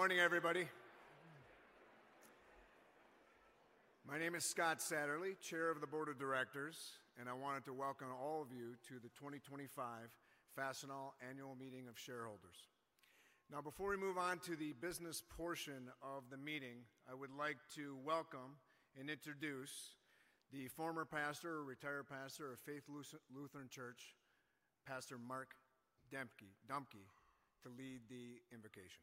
Good morning, everybody. My name is Scott Satterlee, Chair of the Board of Directors, and I wanted to welcome all of you to the 2025 Fastenal Annual Meeting of Shareholders. Now, before we move on to the business portion of the meeting, I would like to welcome and introduce the former pastor, retired pastor of Faith Lutheran Church, Pastor Mark Dumke, to lead the invocation.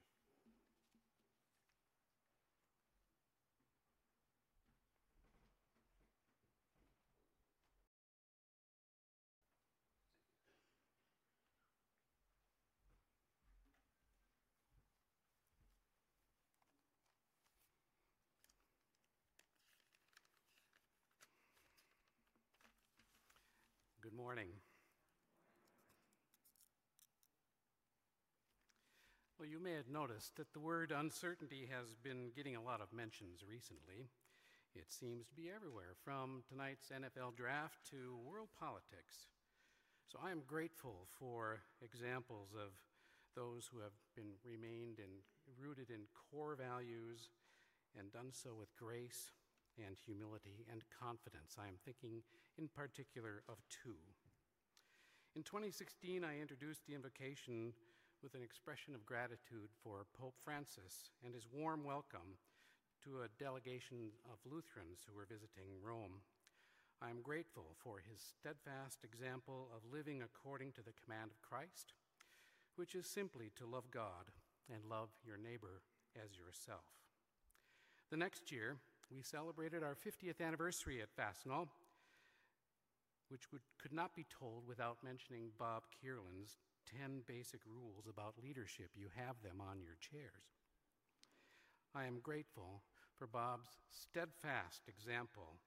Good morning. You may have noticed that the word uncertainty has been getting a lot of mentions recently. It seems to be everywhere, from tonight's NFL draft to world politics. I am grateful for examples of those who have remained rooted in core values and done so with grace and humility and confidence. I am thinking in particular of two. In 2016, I introduced the invocation with an expression of gratitude for Pope Francis and his warm welcome to a delegation of Lutherans who were visiting Rome. I am grateful for his steadfast example of living according to the command of Christ, which is simply to love God and love your neighbor as yourself. The next year, we celebrated our 50th anniversary at Fastenal, which could not be told without mentioning Bob Kierlin's 10 basic rules about leadership. You have them on your chairs. I am grateful for Bob's steadfast example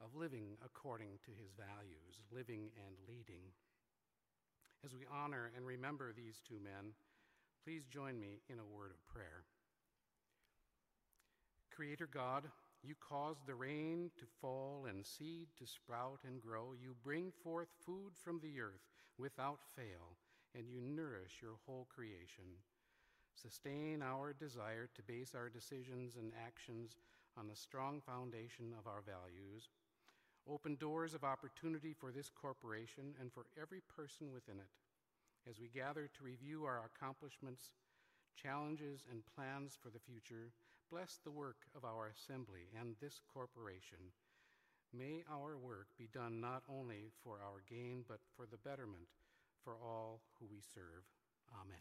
of living according to his values, living and leading. As we honor and remember these two men, please join me in a word of prayer. Creator God, you cause the rain to fall and seed to sprout and grow. You bring forth food from the earth without fail, and you nourish your whole creation. Sustain our desire to base our decisions and actions on the strong foundation of our values. Open doors of opportunity for this corporation and for every person within it. As we gather to review our accomplishments, challenges, and plans for the future, bless the work of our assembly and this corporation. May our work be done not only for our gain, but for the betterment for all who we serve. Amen.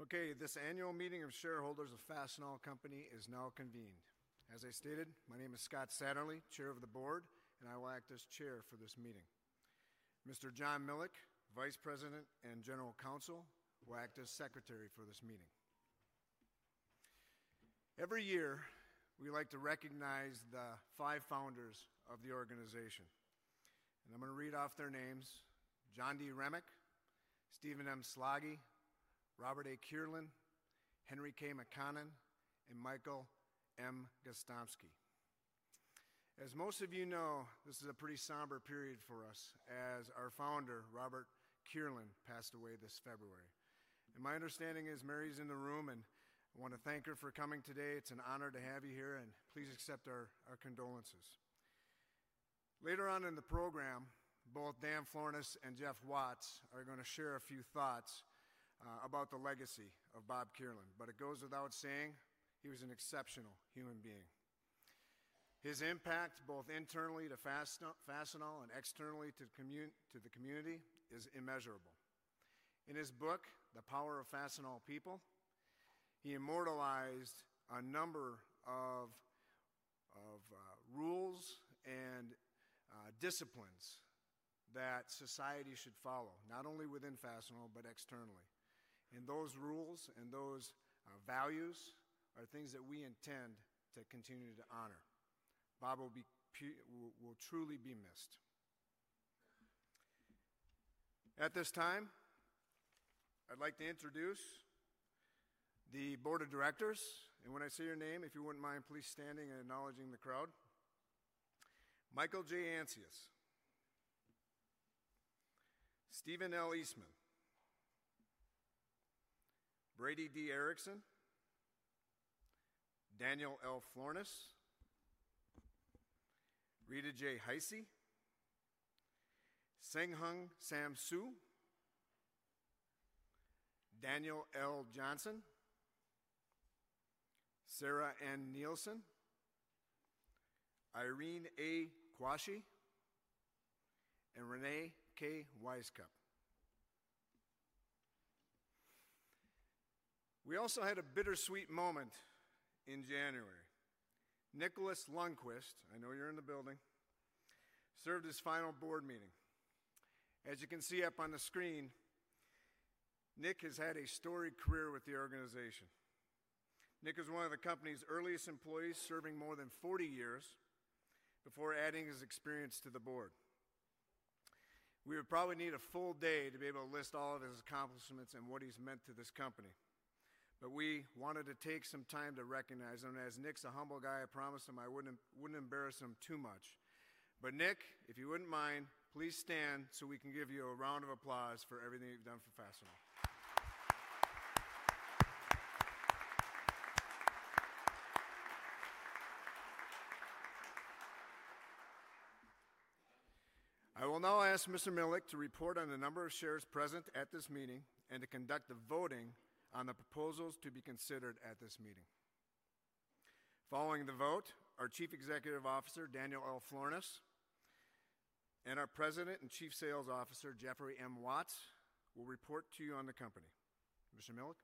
Okay, this annual meeting of shareholders of Fastenal Company is now convened. As I stated, my name is Scott Satterlee, Chair of the Board, and I will act as Chair for this meeting. Mr. John Milek, Vice President and General Counsel, will act as Secretary for this meeting. Every year, we like to recognize the five founders of the organization, and I'm going to read off their names: John D. Remick, Stephen M. Slaggie, Robert A. Kierlin, Henry K. McConnon. McConnon, and Michael M. Gostomski. As most of you know, this is a pretty somber period for us, as our founder, Robert A. Kierlin, passed away this February. My understanding is Mary's in the room, and I want to thank her for coming today. It's an honor to have you here, and please accept our condolences. Later on in the program, both Dan Florness and Jeff Watts are going to share a few thoughts about the legacy of Bob Kierlin. It goes without saying he was an exceptional human being. His impact, both internally to Fastenal and externally to the community, is immeasurable. In his book, The Power of Fastenal People, he immortalized a number of rules and disciplines that society should follow, not only within Fastenal, but externally. Those rules and those values are things that we intend to continue to honor. Bob will truly be missed. At this time, I'd like to introduce the Board of Directors. When I say your name, if you wouldn't mind please standing and acknowledging the crowd: Michael J. Ancius, Stephen L. Eastman, Brady D. Ericson, Daniel L. Florness, Rita J. Heise, Hsenghung Sam Hsu, Daniel L. Johnson, Sarah N. Nielsen, Irene A. Quarshie, and Reyne K. Wisecup. We also had a bittersweet moment in January. Nicholas Lundquist, I know you're in the building, served his final board meeting. As you can see up on the screen, Nick has had a storied career with the organization. Nick is one of the company's earliest employees, serving more than 40 years before adding his experience to the board. We would probably need a full day to be able to list all of his accomplishments and what he's meant to this company. We wanted to take some time to recognize him. As Nick's a humble guy, I promised him I wouldn't embarrass him too much. Nick, if you wouldn't mind, please stand so we can give you a round of applause for everything you've done for Fastenal. I will now ask Mr. Milek to report on the number of shares present at this meeting and to conduct the voting on the proposals to be considered at this meeting. Following the vote, our Chief Executive Officer, Daniel L. Florness, and our President and Chief Sales Officer, Jeffrey M. Watts, will report to you on the company. Mr. Milek.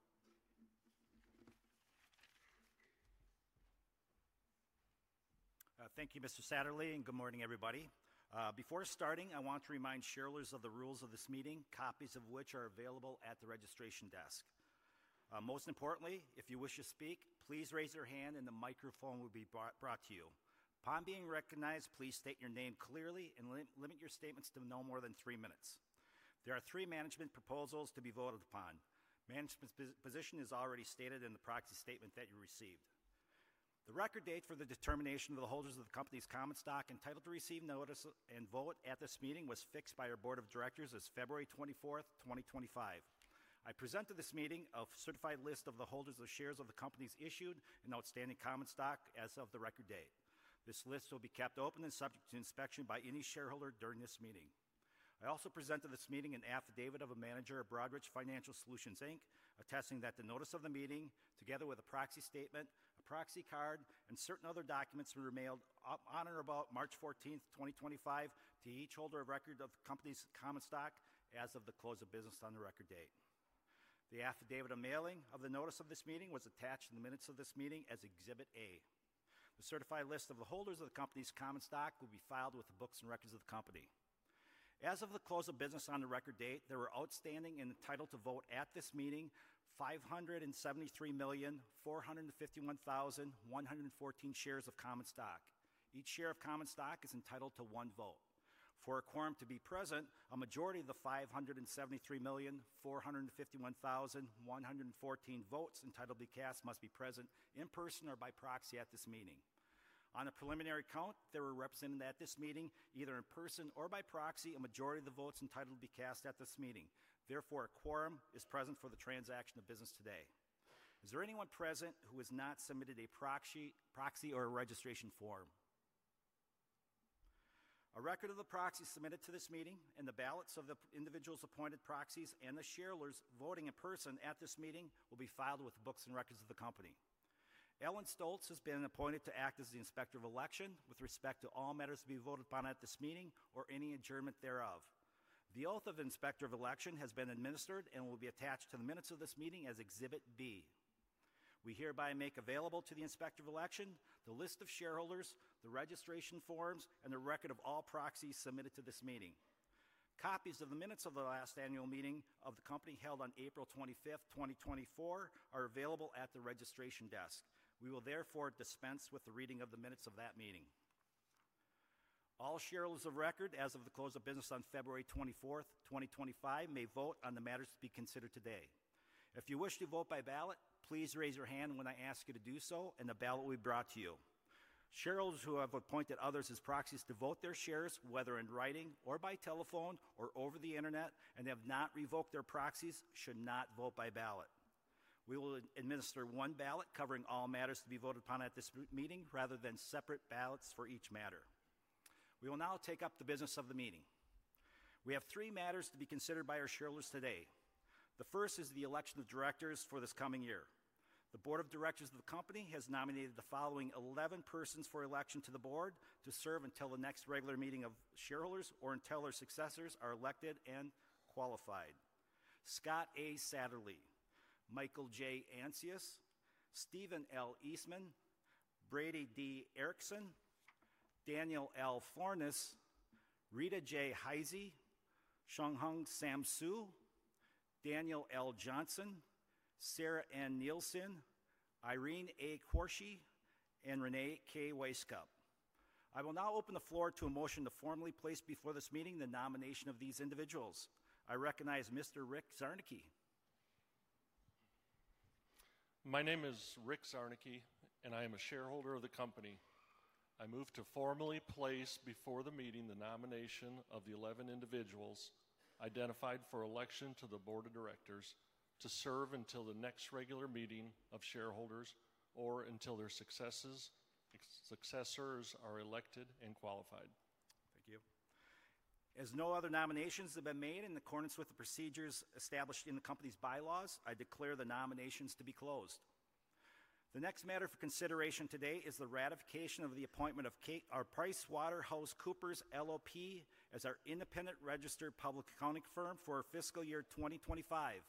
Thank you, Mr. Satterlee, and good morning, everybody. Before starting, I want to remind shareholders of the rules of this meeting, copies of which are available at the registration desk. Most importantly, if you wish to speak, please raise your hand and the microphone will be brought to you. Upon being recognized, please state your name clearly and limit your statements to no more than three minutes. There are three management proposals to be voted upon. Management's position is already stated in the proxy statement that you received. The record date for the determination of the holders of the company's common stock entitled to receive notice and vote at this meeting was fixed by our Board of Directors as February 24, 2025. I present to this meeting a certified list of the holders of shares of the company's issued and outstanding common stock as of the record date. This list will be kept open and subject to inspection by any shareholder during this meeting. I also present to this meeting an affidavit of a manager of Broadridge Financial Solutions, Inc, attesting that the notice of the meeting, together with a proxy statement, a proxy card, and certain other documents, will be mailed on or about March 14, 2025, to each holder of record of the company's common stock as of the close of business on the record date. The affidavit of mailing of the notice of this meeting was attached in the minutes of this meeting as Exhibit A. The certified list of the holders of the company's common stock will be filed with the books and records of the company. As of the close of business on the record date, there were outstanding and entitled to vote at this meeting 573,451,114 shares of common stock. Each share of common stock is entitled to one vote. For a quorum to be present, a majority of the 573,451,114 votes entitled to be cast must be present in person or by proxy at this meeting. On a preliminary count, there were represented at this meeting either in person or by proxy, a majority of the votes entitled to be cast at this meeting. Therefore, a quorum is present for the transaction of business today. Is there anyone present who has not submitted a proxy or a registration form? A record of the proxy submitted to this meeting and the ballots of the individuals appointed proxies and the shareholders voting in person at this meeting will be filed with the books and records of the company. Ellen Stolts has been appointed to act as the inspector of election with respect to all matters to be voted upon at this meeting or any adjournment thereof. The oath of inspector of election has been administered and will be attached to the minutes of this meeting as Exhibit B. We hereby make available to the inspector of election the list of shareholders, the registration forms, and the record of all proxies submitted to this meeting. Copies of the minutes of the last annual meeting of the company held on April 25, 2024, are available at the registration desk. We will therefore dispense with the reading of the minutes of that meeting. All shareholders of record as of the close of business on February 24, 2025, may vote on the matters to be considered today. If you wish to vote by ballot, please raise your hand when I ask you to do so, and the ballot will be brought to you. Shareholders who have appointed others as proxies to vote their shares, whether in writing or by telephone or over the internet, and have not revoked their proxies should not vote by ballot. We will administer one ballot covering all matters to be voted upon at this meeting rather than separate ballots for each matter. We will now take up the business of the meeting. We have three matters to be considered by our shareholders today. The first is the election of directors for this coming year. The Board of Directors of the company has nominated the following 11 persons for election to the board to serve until the next regular meeting of shareholders or until their successors are elected and qualified: Scott A. Satterlee, Michael J. Ancius, Stephen L. Eastman, Brady D. Ericson, Daniel L. Florness, Rita J. Heise, Hsenghung Sam Hsu, Daniel L. Johnson, Sarah N. Nielsen, Irene A. Quarshie, and Reyne K. Wisecup. I will now open the floor to a motion to formally place before this meeting the nomination of these individuals. I recognize Mr. Rick Czarniecki. My name is Rick Czarniecki, and I am a shareholder of the company. I move to formally place before the meeting the nomination of the 11 individuals identified for election to the Board of Directors to serve until the next regular meeting of shareholders or until their successors are elected and qualified. Thank you. As no other nominations have been made in accordance with the procedures established in the company's bylaws, I declare the nominations to be closed. The next matter for consideration today is the ratification of the appointment of our PricewaterhouseCoopers LLP as our independent registered public accounting firm for fiscal year 2025.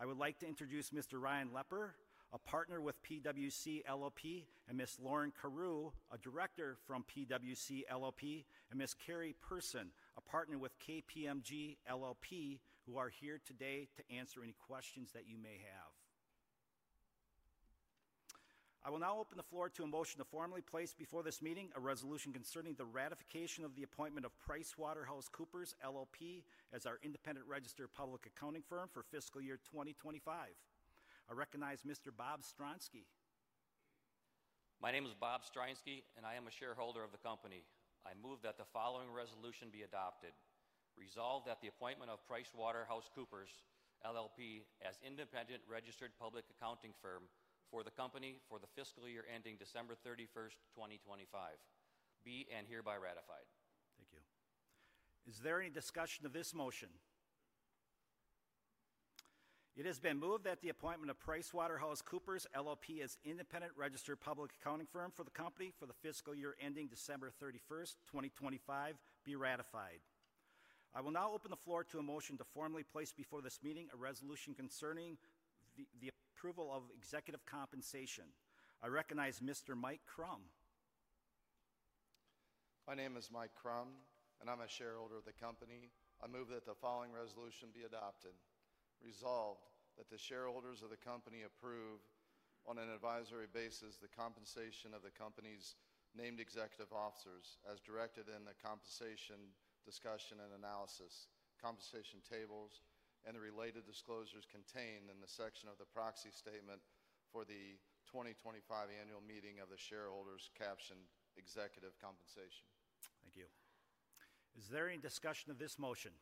I would like to introduce Mr. Ryan Lepper, a partner with PwC LLP, and Ms. Lauren Carew, a director from PwC LLP, and Ms. Kari Person, a partner with KPMG LLP, who are here today to answer any questions that you may have. I will now open the floor to a motion to formally place before this meeting a resolution concerning the ratification of the appointment of PricewaterhouseCoopers LLP as our independent registered public accounting firm for fiscal year 2025. I recognize Mr. Bob Stronsky. My name is Bob Stronsky, and I am a shareholder of the company. I move that the following resolution be adopted: Resolve that the appointment of PricewaterhouseCoopers LLP as independent registered public accounting firm for the company for the fiscal year ending December 31st, 2025, be and hereby ratified. Thank you. Is there any discussion of this motion? It has been moved that the appointment of PricewaterhouseCoopers LLP as independent registered public accounting firm for the company for the fiscal year ending December 31st, 2025, be ratified. I will now open the floor to a motion to formally place before this meeting a resolution concerning the approval of executive compensation. I recognize Mr. Mike Crum. My name is Mike Crum, and I'm a shareholder of the company. I move that the following resolution be adopted: Resolve that the shareholders of the company approve on an advisory basis the compensation of the company's named executive officers as directed in the compensation discussion and analysis, compensation tables, and the related disclosures contained in the section of the proxy statement for the 2025 annual meeting of the shareholders captioned executive compensation. Thank you. Is there any discussion of this motion?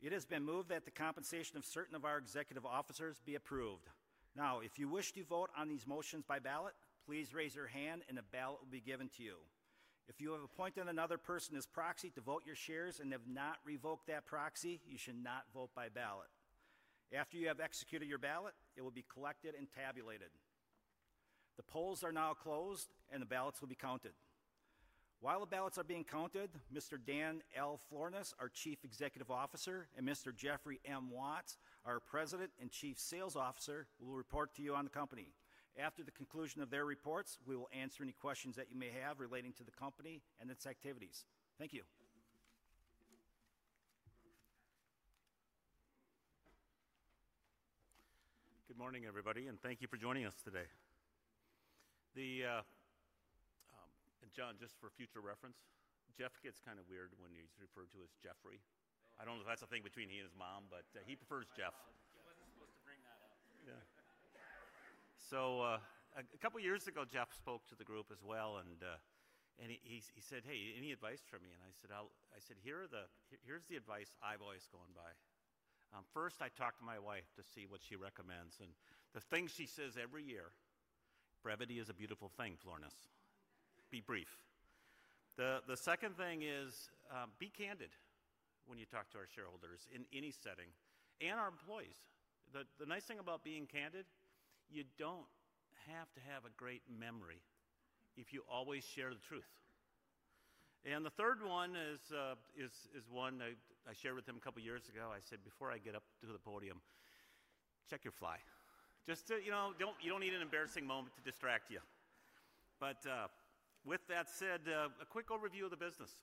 It has been moved that the compensation of certain of our executive officers be approved. Now, if you wish to vote on these motions by ballot, please raise your hand and a ballot will be given to you. If you have appointed another person as proxy to vote your shares and have not revoked that proxy, you should not vote by ballot. After you have executed your ballot, it will be collected and tabulated. The polls are now closed and the ballots will be counted. While the ballots are being counted, Mr. Dan L. Florness, our Chief Executive Officer, and Mr. Jeffrey M. Watts, our President and Chief Sales Officer, will report to you on the company. After the conclusion of their reports, we will answer any questions that you may have relating to the company and its activities. Thank you. Good morning, everybody, and thank you for joining us today. John, just for future reference, Jeff gets kind of weird when he's referred to as Jeffrey. I don't know if that's a thing between he and his mom, but he prefers Jeff. I wasn't supposed to bring that up. Yeah. A couple of years ago, Jeff spoke to the group as well, and he said, "Hey, any advice for me?" I said, "Here's the advice I've always gone by. First, I talk to my wife to see what she recommends, and the thing she says every year, 'Brevity is a beautiful thing,'" Florness. Be brief. The second thing is be candid when you talk to our shareholders in any setting and our employees. The nice thing about being candid, you don't have to have a great memory if you always share the truth. The third one is one I shared with him a couple of years ago. I said, "Before I get up to the podium, check your fly." Just, you know, you don't need an embarrassing moment to distract you. With that said, a quick overview of the business.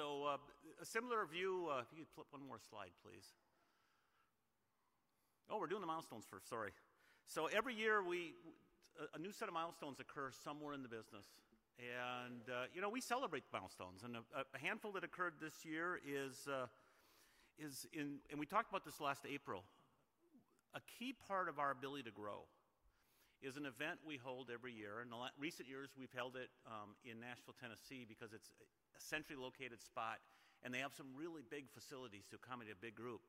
A similar view, if you could flip one more slide, please. Oh, we're doing the milestones first, sorry. Every year, a new set of milestones occurs somewhere in the business. And, you know, we celebrate the milestones. A handful that occurred this year is, and we talked about this last April, a key part of our ability to grow is an event we hold every year. In recent years, we've held it in Nashville, Tennessee, because it's a centrally located spot, and they have some really big facilities to accommodate a big group.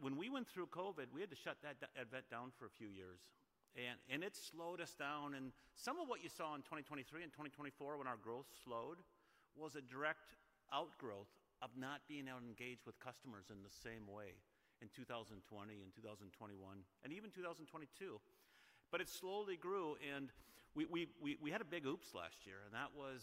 When we went through COVID, we had to shut that event down for a few years. It slowed us down. Some of what you saw in 2023 and 2024 when our growth slowed was a direct outgrowth of not being able to engage with customers in the same way in 2020 and 2021 and even 2022. It slowly grew. We had a big oops last year, and that was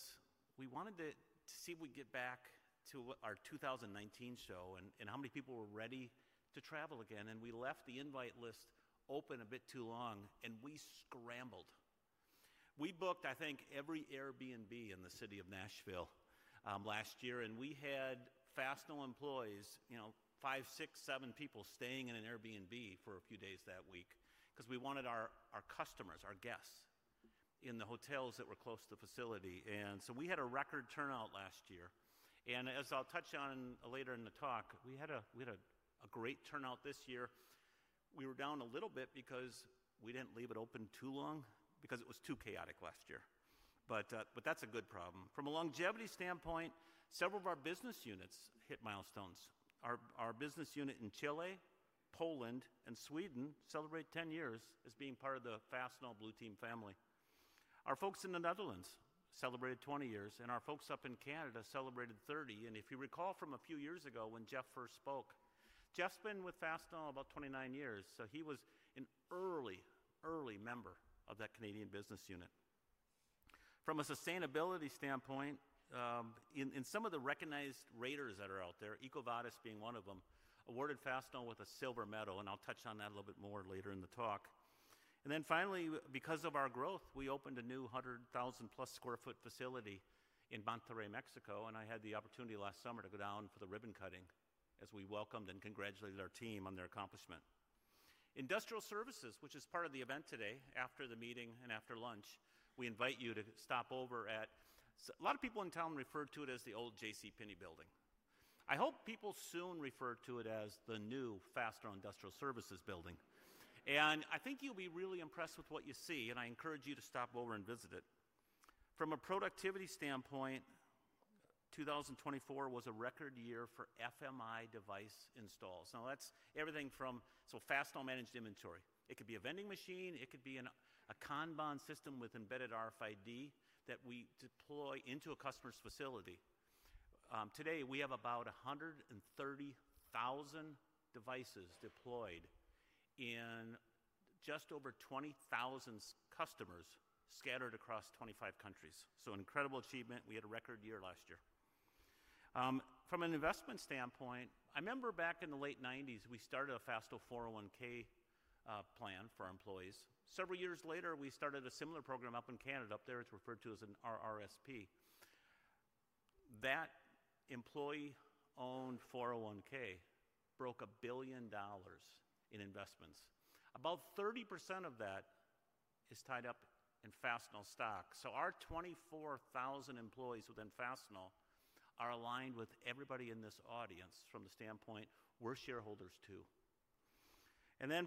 we wanted to see if we could get back to our 2019 show and how many people were ready to travel again. We left the invite list open a bit too long, and we scrambled. We booked, I think, every Airbnb in the city of Nashville last year, and we had Fastenal employees, you know, five, six, seven people staying in an Airbnb for a few days that week because we wanted our customers, our guests in the hotels that were close to the facility. We had a record turnout last year. As I'll touch on later in the talk, we had a great turnout this year. We were down a little bit because we did not leave it open too long because it was too chaotic last year. That is a good problem. From a longevity standpoint, several of our business units hit milestones. Our business unit in Chile, Poland, and Sweden celebrated 10 years as being part of the Fastenal Blue Team family. Our folks in the Netherlands celebrated 20 years, and our folks up in Canada celebrated 30. If you recall from a few years ago when Jeff first spoke, Jeff has been with Fastenal about 29 years, so he was an early, early member of that Canadian business unit. From a sustainability standpoint, in some of the recognized raters that are out there, EcoVadis being one of them, awarded Fastenal with a silver medal, and I'll touch on that a little bit more later in the talk. Finally, because of our growth, we opened a new 100,000+ sq ft facility in Monterrey, Mexico, and I had the opportunity last summer to go down for the ribbon cutting as we welcomed and congratulated our team on their accomplishment. Industrial Services, which is part of the event today, after the meeting and after lunch, we invite you to stop over at a lot of people in town refer to it as the old JCPenney building. I hope people soon refer to it as the new Fastenal Industrial Services building. I think you'll be really impressed with what you see, and I encourage you to stop over and visit it. From a productivity standpoint, 2024 was a record year for FMI device installs. Now that's everything from, so Fastenal Managed Inventory. It could be a vending machine. It could be a Kanban system with embedded RFID that we deploy into a customer's facility. Today, we have about 130,000 devices deployed in just over 20,000 customers scattered across 25 countries. Incredible achievement. We had a record year last year. From an investment standpoint, I remember back in the late 1990s, we started a Fastenal 401(k) plan for employees. Several years later, we started a similar program up in Canada. Up there, it's referred to as an RRSP. That employee-owned 401(k) broke a billion dollars in investments. About 30% of that is tied up in Fastenal stock. Our 24,000 employees within Fastenal are aligned with everybody in this audience from the standpoint we're shareholders too.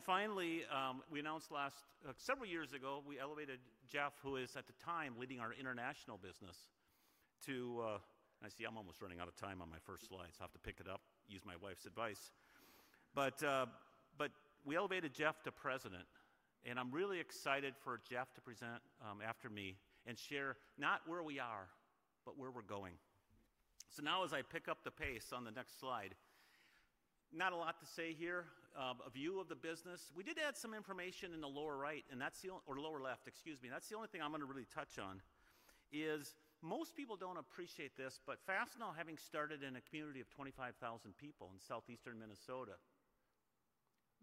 Finally, we announced last several years ago, we elevated Jeff, who is at the time leading our international business to, and I see I'm almost running out of time on my first slide, so I have to pick it up, use my wife's advice. We elevated Jeff to president, and I'm really excited for Jeff to present after me and share not where we are, but where we're going. Now, as I pick up the pace on the next slide, not a lot to say here. A view of the business, we did add some information in the lower right, and that's the, or lower left, excuse me, that's the only thing I'm going to really touch on is most people don't appreciate this, but Fastenal, having started in a community of 25,000 people in southeastern Minnesota,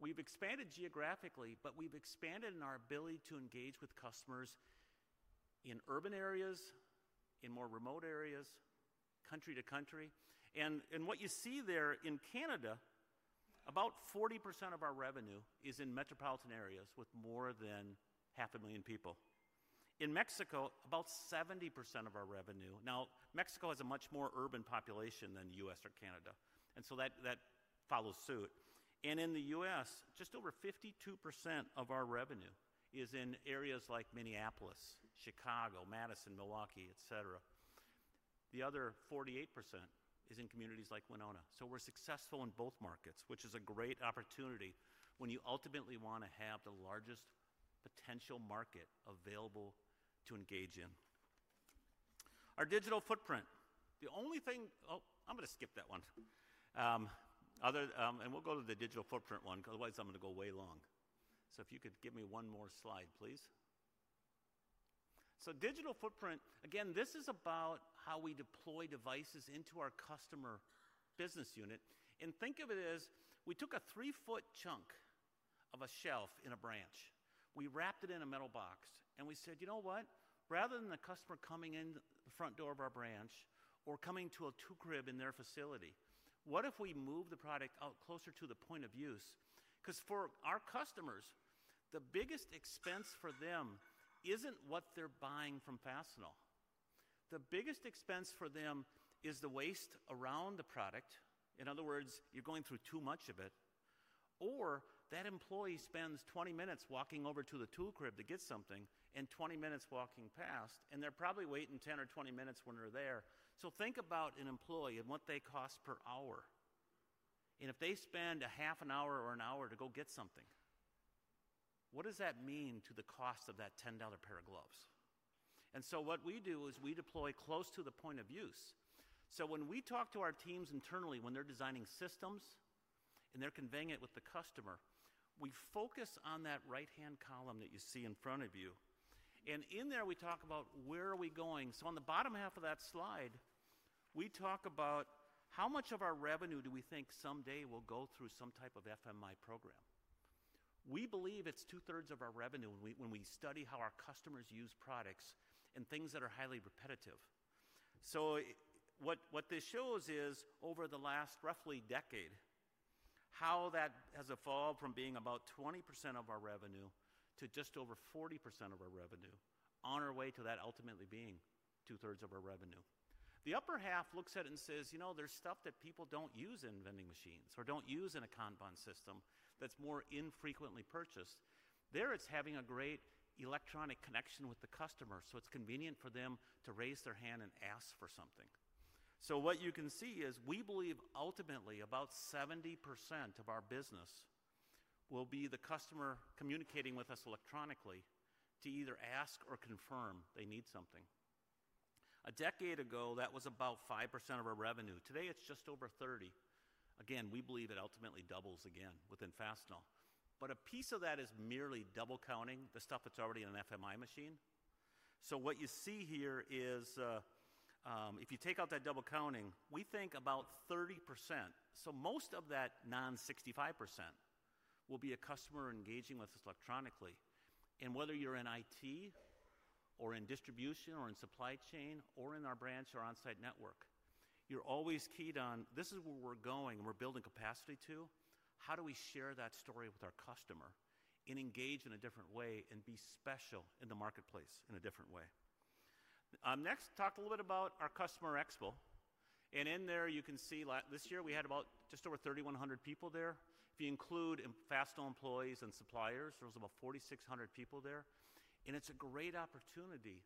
we've expanded geographically, but we've expanded in our ability to engage with customers in urban areas, in more remote areas, country to country. What you see there in Canada, about 40% of our revenue is in metropolitan areas with more than 500,000 people. In Mexico, about 70% of our revenue. Now, Mexico has a much more urban population than the U.S. or Canada, and that follows suit. In the U.S., just over 52% of our revenue is in areas like Minneapolis, Chicago, Madison, Milwaukee, et cetera. The other 48% is in communities like Winona. We're successful in both markets, which is a great opportunity when you ultimately want to have the largest potential market available to engage in. Our digital footprint, the only thing, oh, I'm going to skip that one. We'll go to the digital footprint one, because otherwise I'm going to go way long. If you could give me one more slide, please. Digital footprint, again, this is about how we deploy devices into our customer business unit. Think of it as we took a three-foot chunk of a shelf in a branch. We wrapped it in a metal box, and we said, you know what? Rather than the customer coming in the front door of our branch or coming to a tool crib in their facility, what if we move the product out closer to the point of use? Because for our customers, the biggest expense for them isn't what they're buying from Fastenal. The biggest expense for them is the waste around the product. In other words, you're going through too much of it. Or that employee spends 20 minutes walking over to the tool crib to get something and 20 minutes walking back, and they're probably waiting 10 or 20 minutes when they're there. Think about an employee and what they cost per hour. If they spend a half an hour or an hour to go get something, what does that mean to the cost of that $10 pair of gloves? What we do is we deploy close to the point of use. When we talk to our teams internally, when they're designing systems and they're conveying it with the customer, we focus on that right-hand column that you see in front of you. In there, we talk about where are we going. On the bottom half of that slide, we talk about how much of our revenue do we think someday will go through some type of FMI program. We believe it's 2/3 of our revenue when we study how our customers use products and things that are highly repetitive. What this shows is over the last roughly decade, how that has evolved from being about 20% of our revenue to just over 40% of our revenue on our way to that ultimately being 2/3 of our revenue. The upper half looks at it and says, you know, there's stuff that people don't use in vending machines or don't use in a Kanban system that's more infrequently purchased. There, it's having a great electronic connection with the customer, so it's convenient for them to raise their hand and ask for something. What you can see is we believe ultimately about 70% of our business will be the customer communicating with us electronically to either ask or confirm they need something. A decade ago, that was about 5% of our revenue. Today, it's just over 30%. Again, we believe it ultimately doubles again within Fastenal. A piece of that is merely double counting the stuff that's already in an FMI machine. What you see here is if you take out that double counting, we think about 30%. Most of that non-65% will be a customer engaging with us electronically. Whether you're in IT or in distribution or in supply chain or in our branch or on-site network, you're always keyed on this is where we're going and we're building capacity to. How do we share that story with our customer and engage in a different way and be special in the marketplace in a different way? Next, talk a little bit about our customer expo and in there you can see this year we had about just over 3,100 people there. If you include Fastenal employees and suppliers, there was about 4,600 people there. It's a great opportunity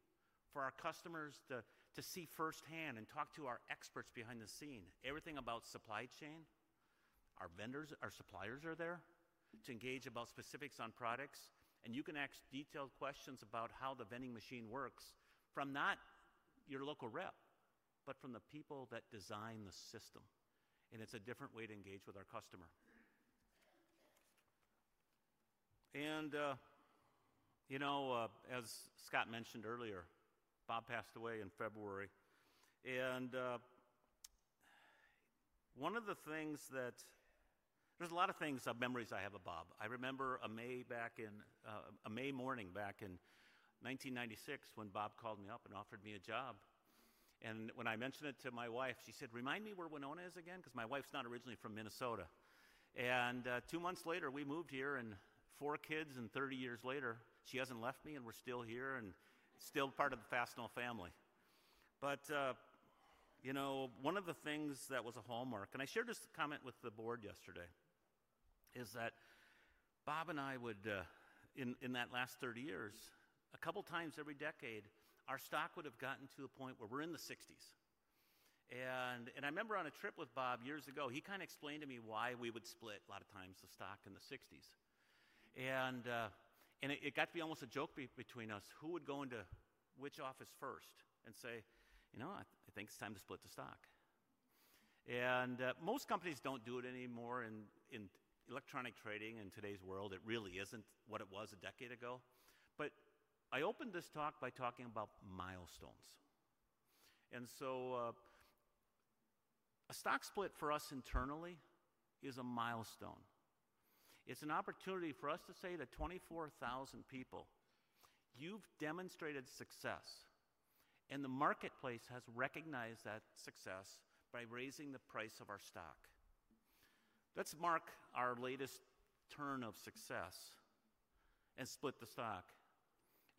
for our customers to see firsthand and talk to our experts behind the scene. Everything about supply chain, our vendors, our suppliers are there to engage about specifics on products. You can ask detailed questions about how the vending machine works from not your local rep, but from the people that design the system. It is a different way to engage with our customer. You know, as Scott mentioned earlier, Bob passed away in February. There are a lot of things, memories I have of Bob. I remember a May morning back in 1996 when Bob called me up and offered me a job. When I mentioned it to my wife, she said, "Remind me where Winona is again," because my wife's not originally from Minnesota. Two months later, we moved here and four kids and 30 years later, she hasn't left me and we're still here and still part of the Fastenal family. You know, one of the things that was a hallmark, and I shared this comment with the board yesterday, is that Bob and I would, in that last 30 years, a couple of times every decade, our stock would have gotten to a point where we're in the 60s. I remember on a trip with Bob years ago, he kind of explained to me why we would split a lot of times the stock in the 60s. It got to be almost a joke between us, who would go into which office first and say, "You know, I think it's time to split the stock." Most companies don't do it anymore in electronic trading in today's world. It really isn't what it was a decade ago. I opened this talk by talking about milestones. A stock split for us internally is a milestone. It's an opportunity for us to say to 24,000 people, "You've demonstrated success," and the marketplace has recognized that success by raising the price of our stock. Let's mark our latest turn of success and split the stock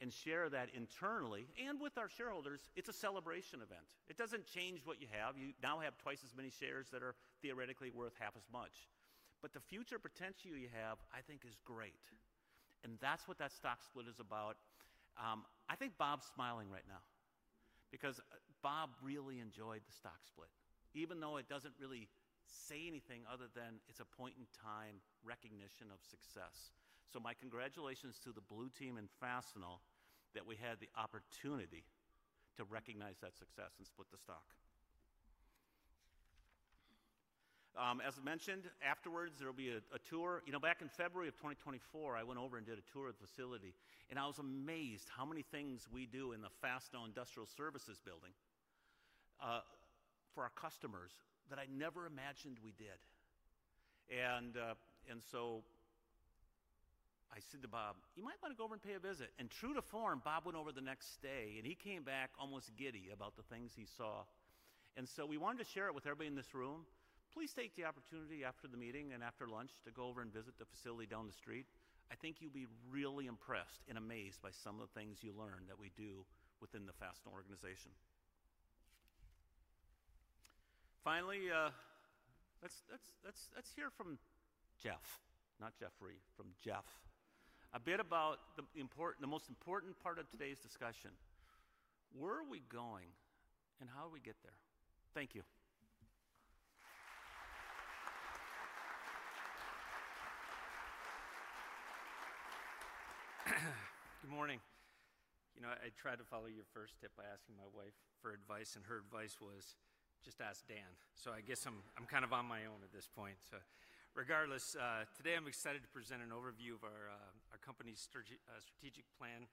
and share that internally and with our shareholders. It's a celebration event. It doesn't change what you have. You now have twice as many shares that are theoretically worth half as much. The future potential you have, I think, is great. That is what that stock split is about. I think Bob's smiling right now because Bob really enjoyed the stock split, even though it doesn't really say anything other than it's a point in time recognition of success. My congratulations to the Blue Team and Fastenal that we had the opportunity to recognize that success and split the stock. As mentioned, afterwards, there will be a tour. You know, back in February of 2024, I went over and did a tour of the facility, and I was amazed how many things we do in the Fastenal Industrial Services building for our customers that I never imagined we did. I said to Bob, "You might want to go over and pay a visit." True to form, Bob went over the next day, and he came back almost giddy about the things he saw. We wanted to share it with everybody in this room. Please take the opportunity after the meeting and after lunch to go over and visit the facility down the street. I think you'll be really impressed and amazed by some of the things you learn that we do within the Fastenal organization. Finally, let's hear from Jeff, not Jeffrey, from Jeff, a bit about the most important part of today's discussion. Where are we going and how do we get there? Thank you. Good morning. You know, I tried to follow your first tip by asking my wife for advice, and her advice was just ask Dan. I guess I'm kind of on my own at this point. Regardless, today I'm excited to present an overview of our company's strategic plan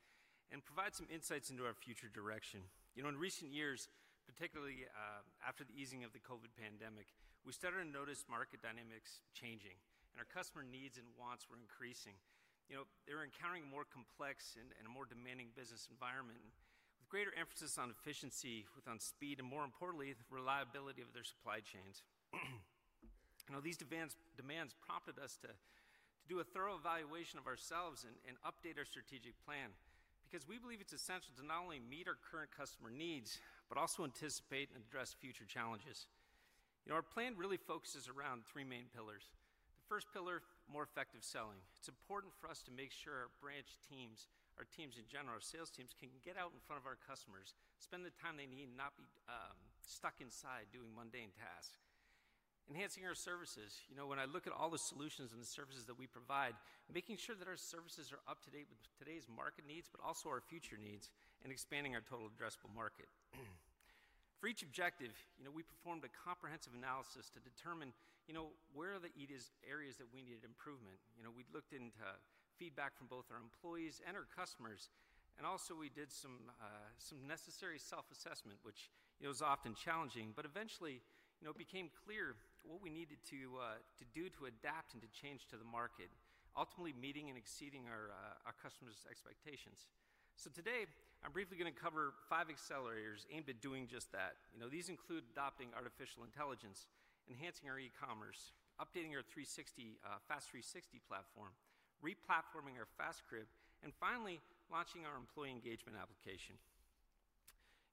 and provide some insights into our future direction. You know, in recent years, particularly after the easing of the COVID pandemic, we started to notice market dynamics changing and our customer needs and wants were increasing. You know, they were encountering a more complex and a more demanding business environment with greater emphasis on efficiency, on speed and, more importantly, the reliability of their supply chains. You know, these demands prompted us to do a thorough evaluation of ourselves and update our strategic plan because we believe it's essential to not only meet our current customer needs, but also anticipate and address future challenges. You know, our plan really focuses around three main pillars. The first pillar, more effective selling. It's important for us to make sure our branch teams, our teams in general, our sales teams can get out in front of our customers, spend the time they need, not be stuck inside doing mundane tasks. Enhancing our services. You know, when I look at all the solutions and the services that we provide, making sure that our services are up to date with today's market needs, but also our future needs and expanding our total addressable market. For each objective, you know, we performed a comprehensive analysis to determine, you know, where are the areas that we needed improvement. You know, we looked into feedback from both our employees and our customers. You know, we did some necessary self-assessment, which, you know, is often challenging, but eventually, you know, it became clear what we needed to do to adapt and to change to the market, ultimately meeting and exceeding our customers' expectations. Today, I'm briefly going to cover five accelerators aimed at doing just that. You know, these include adopting artificial intelligence, enhancing our e-commerce, updating our FAST 360 platform, replatforming our FASTCrib, and finally launching our employee engagement application.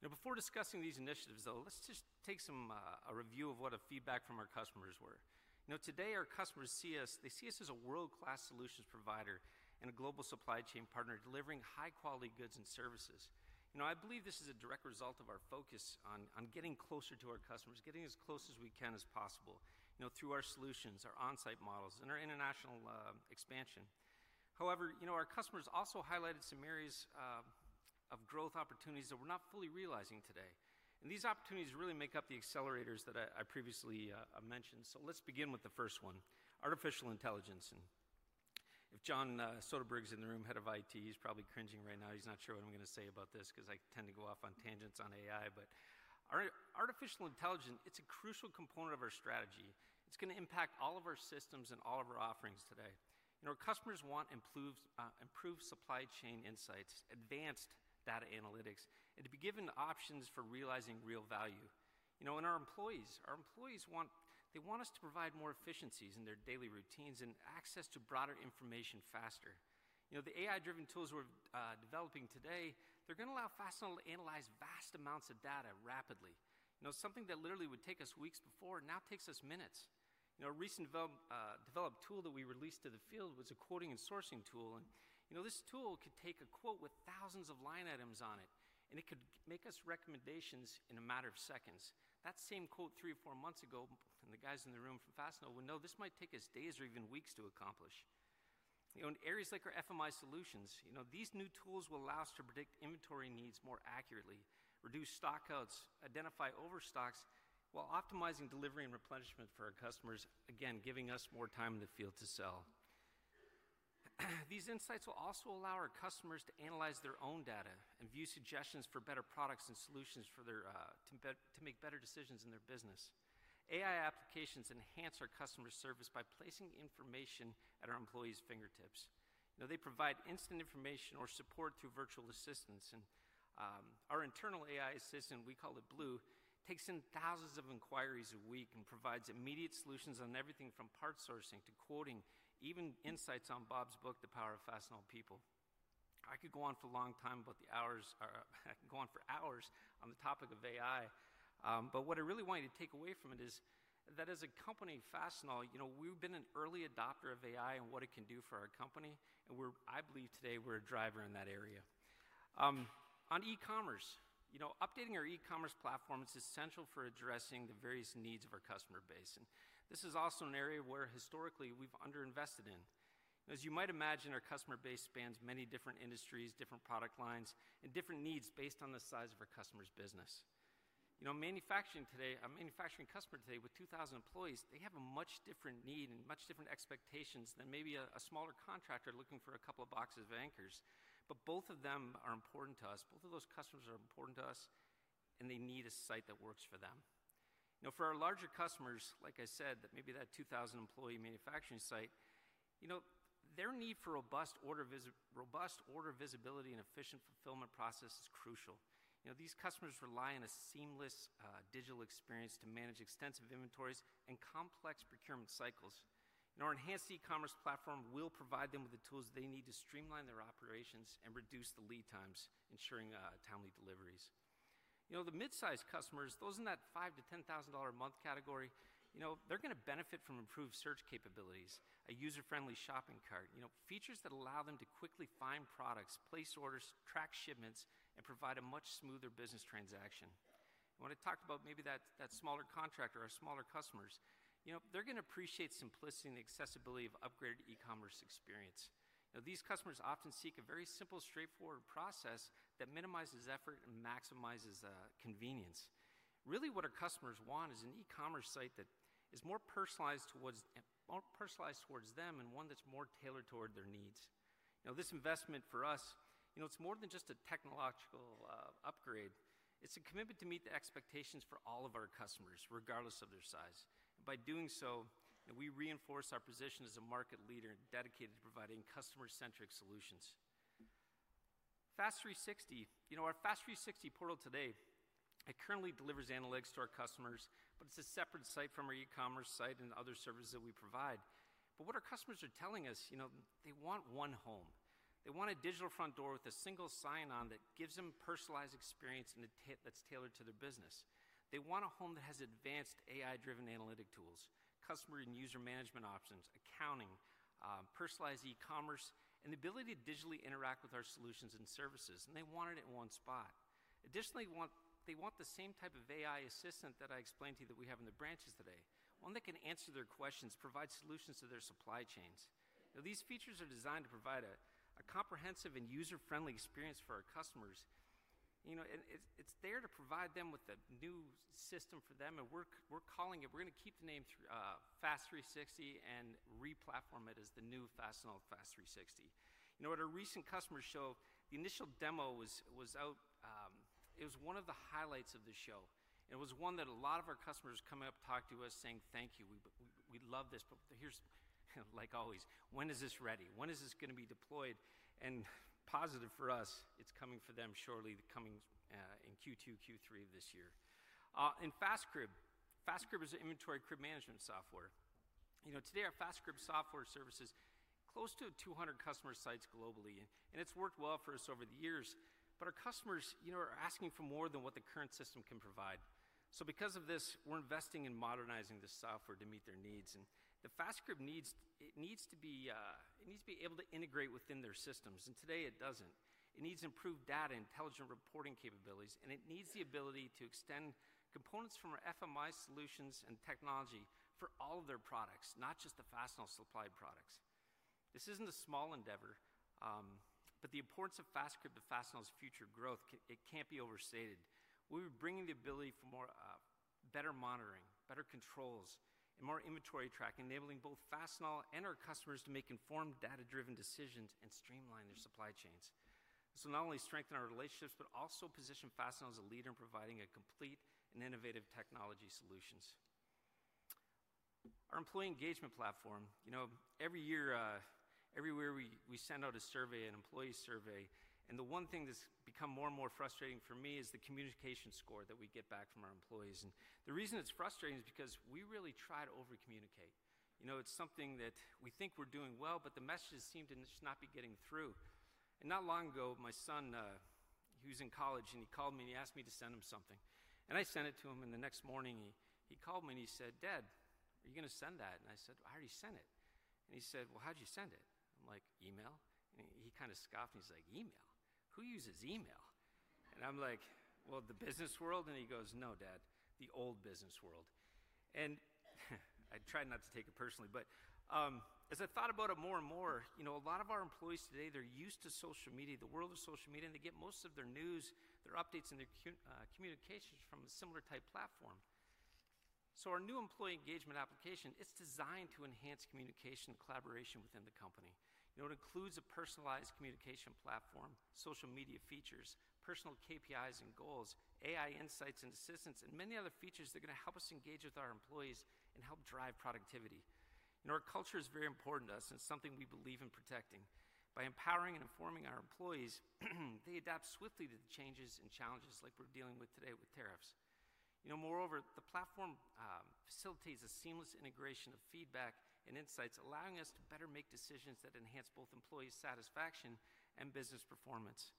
You know, before discussing these initiatives, though, let's just take some review of what our feedback from our customers were. You know, today our customers see us, they see us as a world-class solutions provider and a global supply chain partner delivering high-quality goods and services. You know, I believe this is a direct result of our focus on getting closer to our customers, getting as close as we can as possible, you know, through our solutions, our on-site models, and our international expansion. However, you know, our customers also highlighted some areas of growth opportunities that we're not fully realizing today. These opportunities really make up the accelerators that I previously mentioned. Let's begin with the first one, artificial intelligence. If John Soderberg is in the room, head of IT, he's probably cringing right now. He's not sure what I'm going to say about this because I tend to go off on tangents on AI. Artificial intelligence, it's a crucial component of our strategy. It's going to impact all of our systems and all of our offerings today. You know, our customers want improved supply chain insights, advanced data analytics, and to be given options for realizing real value. You know, and our employees, our employees want, they want us to provide more efficiencies in their daily routines and access to broader information faster. You know, the AI-driven tools we're developing today, they're going to allow Fastenal to analyze vast amounts of data rapidly. You know, something that literally would take us weeks before now takes us minutes. You know, a recent developed tool that we released to the field was a quoting and sourcing tool. And you know, this tool could take a quote with thousands of line items on it, and it could make us recommendations in a matter of seconds. That same quote three or four months ago, and the guys in the room from Fastenal would know this might take us days or even weeks to accomplish. You know, in areas like our FMI solutions, you know, these new tools will allow us to predict inventory needs more accurately, reduce stockouts, identify overstocks while optimizing delivery and replenishment for our customers, again, giving us more time in the field to sell. These insights will also allow our customers to analyze their own data and view suggestions for better products and solutions for their to make better decisions in their business. AI applications enhance our customer service by placing information at our employees' fingertips. You know, they provide instant information or support through virtual assistants. Our internal AI assistant, we call it Blue, takes in thousands of inquiries a week and provides immediate solutions on everything from part sourcing to quoting, even insights on Bob's book, The Power of Fastenal People. I could go on for a long time about the hours, go on for hours on the topic of AI. What I really want you to take away from it is that as a company, Fastenal, you know, we've been an early adopter of AI and what it can do for our company. I believe today, we're a driver in that area. On e-commerce, you know, updating our e-commerce platform is essential for addressing the various needs of our customer base. This is also an area where historically we've underinvested in. As you might imagine, our customer base spans many different industries, different product lines, and different needs based on the size of our customer's business. You know, manufacturing today, a manufacturing customer today with 2,000 employees, they have a much different need and much different expectations than maybe a smaller contractor looking for a couple of boxes of anchors. Both of them are important to us. Both of those customers are important to us, and they need a site that works for them. You know, for our larger customers, like I said, that maybe that 2,000-employee manufacturing site, you know, their need for robust order visibility and efficient fulfillment process is crucial. You know, these customers rely on a seamless digital experience to manage extensive inventories and complex procurement cycles. You know, our enhanced e-commerce platform will provide them with the tools they need to streamline their operations and reduce the lead times, ensuring timely deliveries. You know, the mid-size customers, those in that $5,000-$10,000 a month category, you know, they're going to benefit from improved search capabilities, a user-friendly shopping cart, you know, features that allow them to quickly find products, place orders, track shipments, and provide a much smoother business transaction. When I talked about maybe that smaller contractor or smaller customers, you know, they're going to appreciate simplicity and the accessibility of upgraded e-commerce experience. Now, these customers often seek a very simple, straightforward process that minimizes effort and maximizes convenience. Really, what our customers want is an e-commerce site that is more personalized towards them and one that's more tailored toward their needs. You know, this investment for us, you know, it's more than just a technological upgrade. It's a commitment to meet the expectations for all of our customers, regardless of their size. By doing so, we reinforce our position as a market leader dedicated to providing customer-centric solutions. FAST 360, you know, our FAST 360 portal today, it currently delivers analytics to our customers, but it's a separate site from our e-commerce site and other services that we provide. What our customers are telling us, you know, they want one home. They want a digital front door with a single sign-on that gives them personalized experience and that's tailored to their business. They want a home that has advanced AI-driven analytic tools, customer and user management options, accounting, personalized e-commerce, and the ability to digitally interact with our solutions and services. They want it in one spot. Additionally, they want the same type of AI assistant that I explained to you that we have in the branches today, one that can answer their questions, provide solutions to their supply chains. Now, these features are designed to provide a comprehensive and user-friendly experience for our customers. You know, it's there to provide them with a new system for them. And we're calling it, we're going to keep the name FAST 360 and replatform it as the new Fastenal FAST 360. You know, at our recent customer show, the initial demo was out. It was one of the highlights of the show. It was one that a lot of our customers come up, talk to us saying, "Thank you. We love this." But here's, like always, when is this ready? When is this going to be deployed? Positive for us, it's coming for them shortly, coming in Q2, Q3 of this year. FASTCrib is an inventory crib management software. You know, today our FASTCrib software services close to 200 customer sites globally. It's worked well for us over the years. Our customers, you know, are asking for more than what the current system can provide. Because of this, we're investing in modernizing this software to meet their needs. The FASTCrib needs, it needs to be, it needs to be able to integrate within their systems. Today it doesn't. It needs improved data and intelligent reporting capabilities. It needs the ability to extend components from our FMI solutions and technology for all of their products, not just the Fastenal supplied products. This isn't a small endeavor, but the importance of FASTCrib to Fastenal's future growth, it can't be overstated. We're bringing the ability for better monitoring, better controls, and more inventory track, enabling both Fastenal and our customers to make informed data-driven decisions and streamline their supply chains. This not only strengthens our relationships, but also positions Fastenal as a leader in providing complete and innovative technology solutions. Our employee engagement platform, you know, every year, everywhere we send out a survey, an employee survey. The one thing that's become more and more frustrating for me is the communication score that we get back from our employees. The reason it's frustrating is because we really try to overcommunicate. You know, it's something that we think we're doing well, but the messages seem to just not be getting through. Not long ago, my son, he was in college and he called me and he asked me to send him something. I sent it to him and the next morning he called me and he said, "Dad, are you going to send that?" I said, "I already sent it." He said, "How'd you send it?" I'm like, "Email." He kind of scoffed and he's like, "Email? Who uses email?" I'm like, "The business world." He goes, "No, Dad, the old business world." I tried not to take it personally, but as I thought about it more and more, you know, a lot of our employees today, they're used to social media, the world of social media, and they get most of their news, their updates and their communications from a similar type platform. Our new employee engagement application is designed to enhance communication and collaboration within the company. You know, it includes a personalized communication platform, social media features, personal KPIs and goals, AI insights and assistance, and many other features that are going to help us engage with our employees and help drive productivity. You know, our culture is very important to us and it's something we believe in protecting. By empowering and informing our employees, they adapt swiftly to the changes and challenges like we're dealing with today with tariffs. You know, moreover, the platform facilitates a seamless integration of feedback and insights, allowing us to better make decisions that enhance both employee satisfaction and business performance.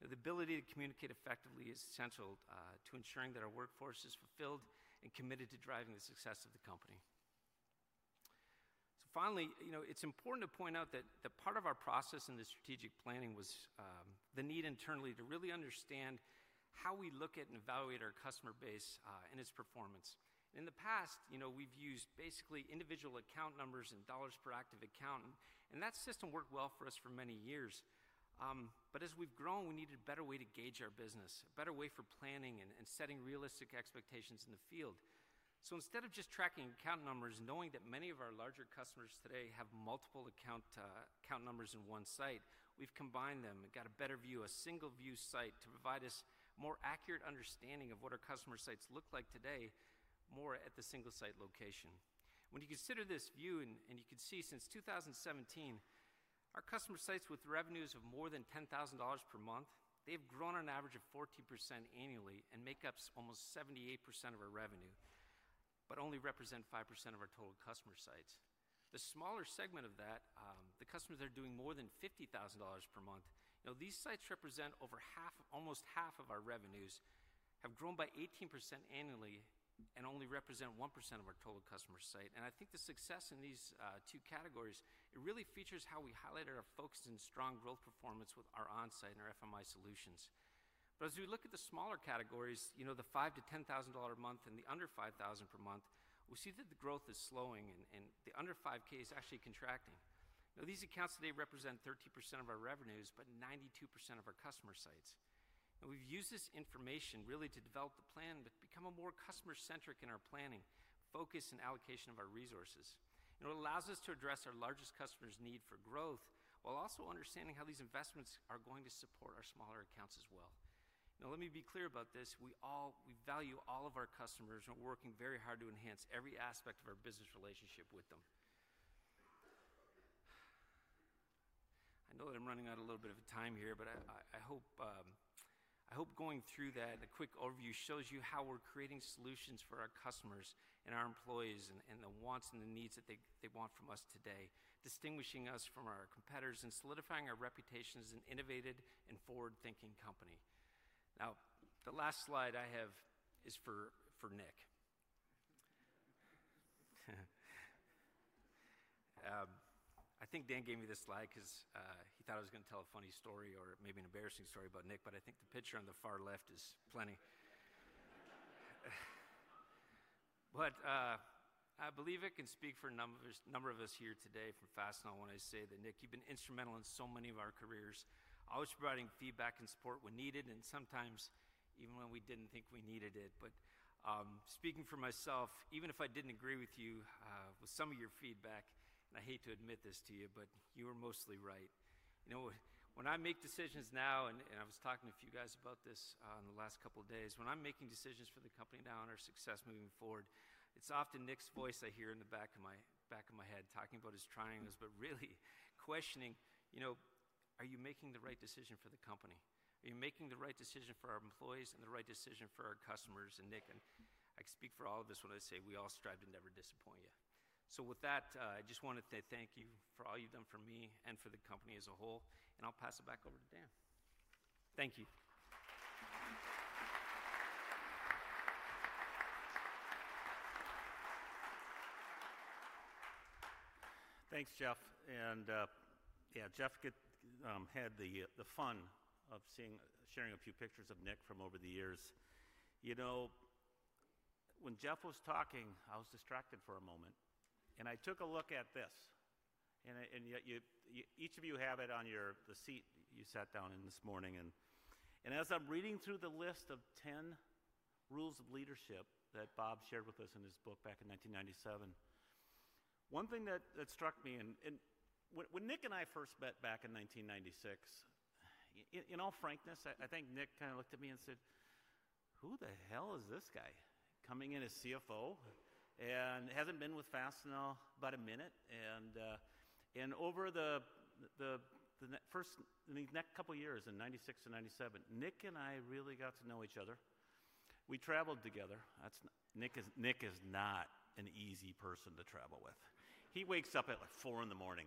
The ability to communicate effectively is essential to ensuring that our workforce is fulfilled and committed to driving the success of the company. Finally, you know, it's important to point out that part of our process and the strategic planning was the need internally to really understand how we look at and evaluate our customer base and its performance. In the past, you know, we've used basically individual account numbers and dollars per active account. That system worked well for us for many years. As we've grown, we needed a better way to gauge our business, a better way for planning and setting realistic expectations in the field. Instead of just tracking account numbers, knowing that many of our larger customers today have multiple account numbers in one site, we've combined them and got a better view, a single-view site to provide us more accurate understanding of what our customer sites look like today, more at the single-site location. When you consider this view and you can see since 2017, our customer sites with revenues of more than $10,000 per month, they have grown on average of 40% annually and make up almost 78% of our revenue, but only represent 5% of our total customer sites. The smaller segment of that, the customers that are doing more than $50,000 per month, you know, these sites represent over 1/2, almost 1/2 of our revenues, have grown by 18% annually and only represent 1% of our total customer sites. I think the success in these two categories, it really features how we highlighted our focus and strong growth performance with our on-site and our FMI solutions. As we look at the smaller categories, you know, the $5,000-$10,000 a month and the under $5,000 per month, we see that the growth is slowing and the under $5,000 is actually contracting. Now, these accounts today represent 30% of our revenues, but 92% of our customer sites. We have used this information really to develop the plan, become more customer-centric in our planning, focus, and allocation of our resources. It allows us to address our largest customer's need for growth while also understanding how these investments are going to support our smaller accounts as well. Now, let me be clear about this. We value all of our customers and we are working very hard to enhance every aspect of our business relationship with them. I know that I'm running out a little bit of time here, but I hope going through that and a quick overview shows you how we're creating solutions for our customers and our employees and the wants and the needs that they want from us today, distinguishing us from our competitors and solidifying our reputation as an innovative and forward-thinking company. Now, the last slide I have is for Nick. I think Dan gave me this slide because he thought I was going to tell a funny story or maybe an embarrassing story about Nick, but I think the picture on the far left is plenty. I believe I can speak for a number of us here today from Fastenal when I say that Nick, you've been instrumental in so many of our careers. Always providing feedback and support when needed and sometimes even when we didn't think we needed it. Speaking for myself, even if I didn't agree with you with some of your feedback, and I hate to admit this to you, but you were mostly right. You know, when I make decisions now, and I was talking to a few guys about this in the last couple of days, when I'm making decisions for the company now and our success moving forward, it's often Nick's voice I hear in the back of my head talking about his trying us, but really questioning, you know, are you making the right decision for the company? Are you making the right decision for our employees and the right decision for our customers? Nick, and I can speak for all of us when I say we all strive to never disappoint you. With that, I just want to thank you for all you've done for me and for the company as a whole. I'll pass it back over to Dan. Thank you. Thanks, Jeff. Yeah, Jeff had the fun of sharing a few pictures of Nick from over the years. You know, when Jeff was talking, I was distracted for a moment. I took a look at this. Each of you have it on your seat you sat down in this morning. As I am reading through the list of 10 rules of leadership that Bob shared with us in his book back in 1997, one thing that struck me, and when Nick and I first met back in 1996, in all frankness, I think Nick kind of looked at me and said, "Who the hell is this guy coming in as CFO?" and has not been with Fastenal about a minute. Over the next couple of years in 1996 and 1997, Nick and I really got to know each other. We traveled together. Nick is not an easy person to travel with. He wakes up at like 4:00 A.M. in the morning,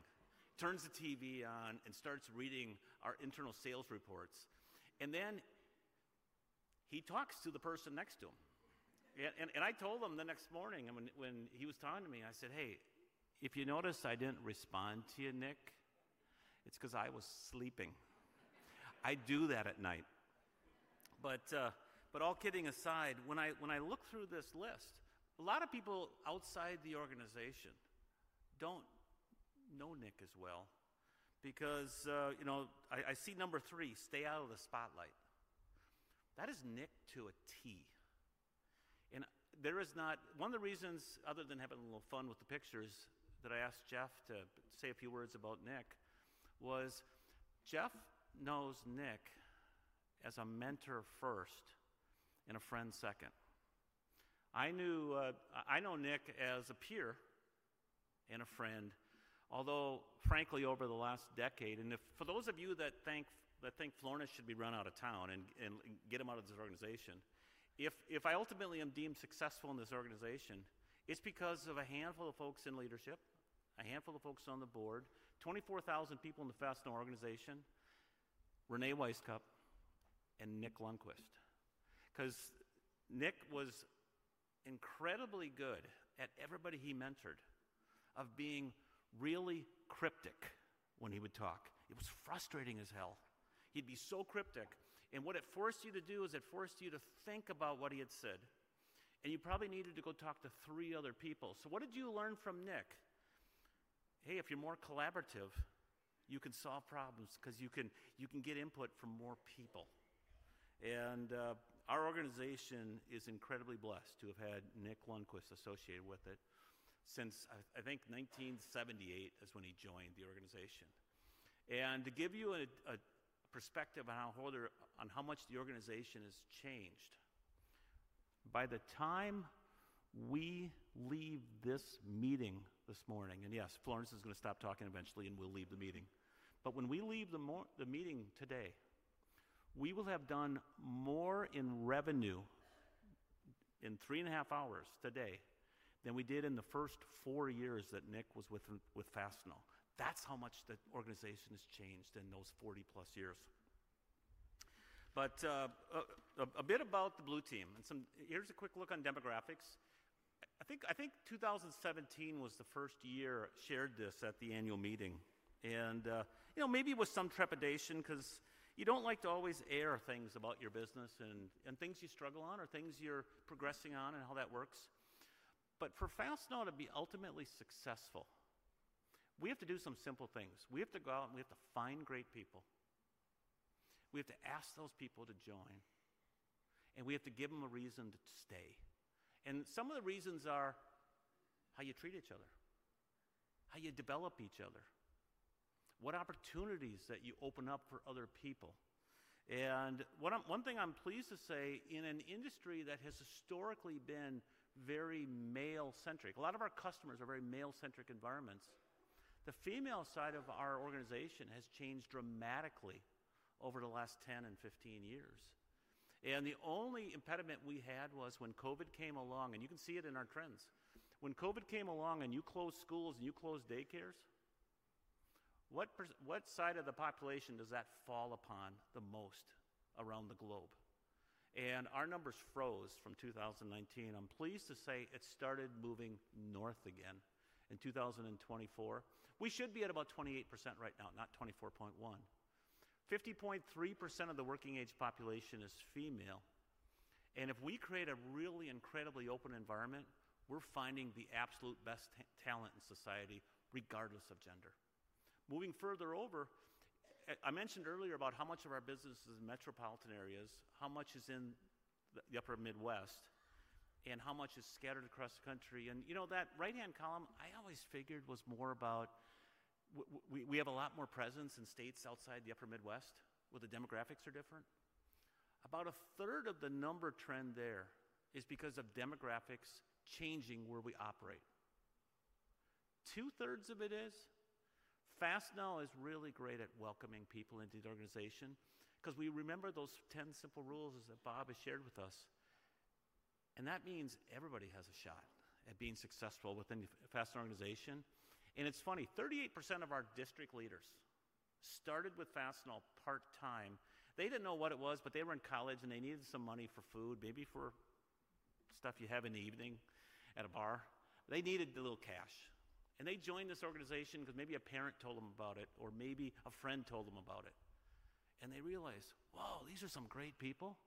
turns the TV on, and starts reading our internal sales reports. Then he talks to the person next to him. I told him the next morning, when he was talking to me, I said, "Hey, if you notice I didn't respond to you, Nick, it's because I was sleeping." I do that at night. All kidding aside, when I look through this list, a lot of people outside the organization don't know Nick as well because, you know, I see number three, stay out of the spotlight. That is Nick to a T. There is not, one of the reasons other than having a little fun with the pictures that I asked Jeff to say a few words about Nick was Jeff knows Nick as a mentor first and a friend second. I know Nick as a peer and a friend, although frankly, over the last decade, and for those of you that think Florness should be run out of town and get him out of this organization, if I ultimately am deemed successful in this organization, it's because of a handful of folks in leadership, a handful of folks on the board, 24,000 people in the Fastenal organization, Reyne Wisecup, and Nick Lundquist. Because Nick was incredibly good at everybody he mentored of being really cryptic when he would talk. It was frustrating as hell. He'd be so cryptic. It forced you to think about what he had said. You probably needed to go talk to three other people. What did you learn from Nick? Hey, if you're more collaborative, you can solve problems because you can get input from more people. Our organization is incredibly blessed to have had Nick Lundquist associated with it since I think 1978 is when he joined the organization. To give you a perspective on how much the organization has changed, by the time we leave this meeting this morning, and yes, Florness is going to stop talking eventually and we'll leave the meeting. When we leave the meeting today, we will have done more in revenue in three and a half hours today than we did in the first four years that Nick was with Fastenal. That's how much the organization has changed in those 40+ years. A bit about the Blue Team. Here's a quick look on demographics. I think 2017 was the first year shared this at the annual meeting. You know, maybe with some trepidation because you do not like to always air things about your business and things you struggle on or things you are progressing on and how that works. For Fastenal to be ultimately successful, we have to do some simple things. We have to go out and we have to find great people. We have to ask those people to join. We have to give them a reason to stay. Some of the reasons are how you treat each other, how you develop each other, what opportunities that you open up for other people. One thing I am pleased to say, in an industry that has historically been very male-centric, a lot of our customers are very male-centric environments, the female side of our organization has changed dramatically over the last 10 and 15 years. The only impediment we had was when COVID came along, and you can see it in our trends. When COVID came along and you closed schools and you closed daycares, what side of the population does that fall upon the most around the globe? Our numbers froze from 2019. I'm pleased to say it started moving north again in 2024. We should be at about 28% right now, not 24.1%. 50.3% of the working-age population is female. If we create a really incredibly open environment, we're finding the absolute best talent in society regardless of gender. Moving further over, I mentioned earlier about how much of our business is in metropolitan areas, how much is in the upper Midwest, and how much is scattered across the country. You know, that right-hand column I always figured was more about we have a lot more presence in states outside the upper Midwest where the demographics are different. About a third of the number trend there is because of demographics changing where we operate. Two-thirds of it is Fastenal is really great at welcoming people into the organization because we remember those 10 simple rules that Bob has shared with us. That means everybody has a shot at being successful within the Fastenal organization. It's funny, 38% of our district leaders started with Fastenal part-time. They didn't know what it was, but they were in college and they needed some money for food, maybe for stuff you have in the evening at a bar. They needed a little cash. They joined this organization because maybe a parent told them about it or maybe a friend told them about it. They realized, "Whoa, these are some great people.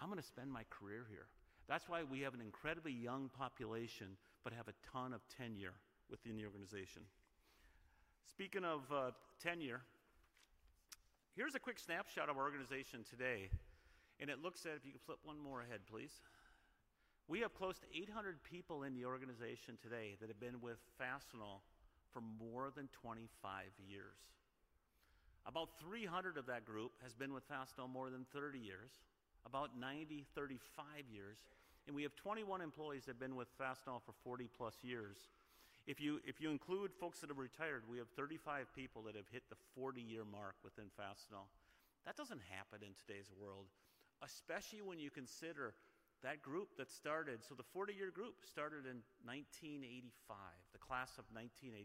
I'm going to spend my career here." That's why we have an incredibly young population, but have a ton of tenure within the organization. Speaking of tenure, here's a quick snapshot of our organization today. It looks at, if you could flip one more ahead, please. We have close to 800 people in the organization today that have been with Fastenal for more than 25 years. About 300 of that group has been with Fastenal more than 30 years, about 90, 35 years. We have 21 employees that have been with Fastenal for 40+ years. If you include folks that have retired, we have 35 people that have hit the 40-year mark within Fastenal. That doesn't happen in today's world, especially when you consider that group that started, so the 40-year group started in 1985, the class of 1985.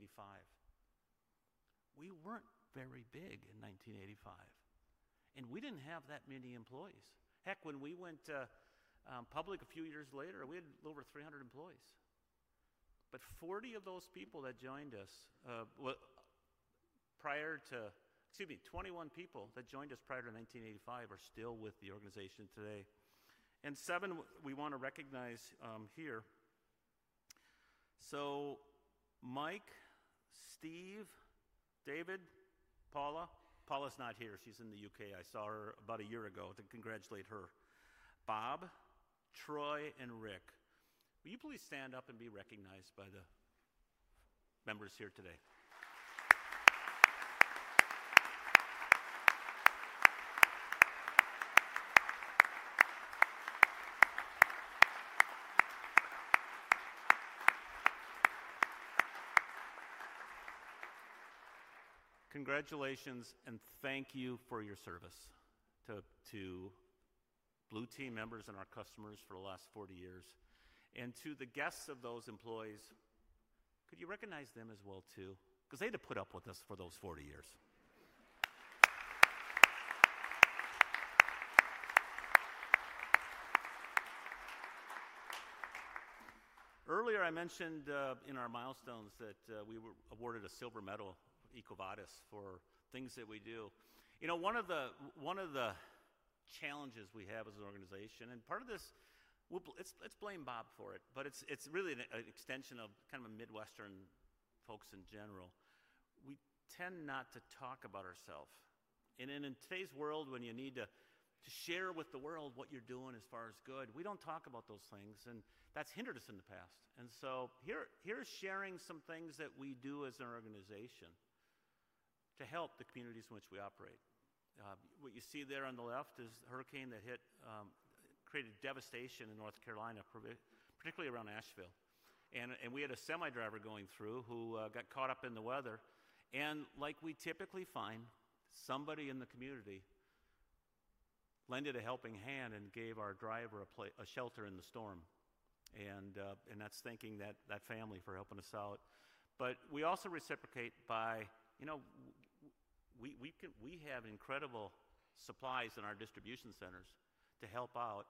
We weren't very big in 1985. We didn't have that many employees. Heck, when we went public a few years later, we had a little over 300 employees. 40 of those people that joined us prior to, excuse me, 21 people that joined us prior to 1985 are still with the organization today. Seven we want to recognize here. Mike, Steve, David, Paula. Paula's not here. She's in the U.K. I saw her about a year ago to congratulate her. Bob, Troy, and Rick, will you please stand up and be recognized by the members here today? Congratulations and thank you for your service to Blue Team members and our customers for the last 40 years. To the guests of those employees, could you recognize them as well too? Because they had to put up with us for those 40 years. Earlier, I mentioned in our milestones that we were awarded a silver medal for EcoVadis for things that we do. You know, one of the challenges we have as an organization, and part of this, let's blame Bob for it, but it's really an extension of kind of Midwestern folks in general. We tend not to talk about ourself. In today's world, when you need to share with the world what you're doing as far as good, we don't talk about those things. That's hindered us in the past. Here's sharing some things that we do as an organization to help the communities in which we operate. What you see there on the left is a hurricane that created devastation in North Carolina, particularly around Asheville. We had a semi driver going through who got caught up in the weather. Like we typically find, somebody in the community lended a helping hand and gave our driver a shelter in the storm. That is thanking that family for helping us out. We also reciprocate by, you know, we have incredible supplies in our distribution centers to help out.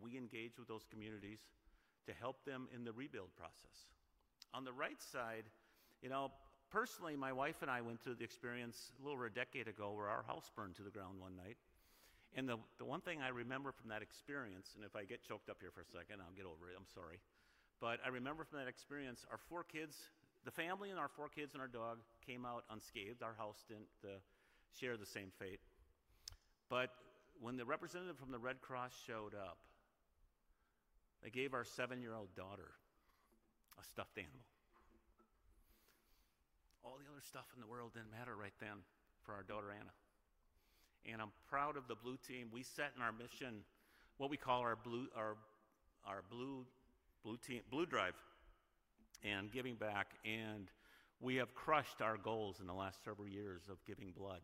We engage with those communities to help them in the rebuild process. On the right side, you know, personally, my wife and I went through the experience a little over a decade ago where our house burned to the ground one night. The one thing I remember from that experience, and if I get choked up here for a second, I'll get over it, I'm sorry. I remember from that experience, our four kids, the family and our four kids and our dog came out unscathed. Our house did not share the same fate. When the representative from the Red Cross showed up, they gave our seven-year-old daughter a stuffed animal. All the other stuff in the world did not matter right then for our daughter, Anna. I am proud of the Blue Team. We set in our mission what we call our Blue Drive and giving back. We have crushed our goals in the last several years of giving blood.